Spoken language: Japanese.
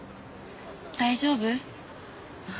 大丈夫？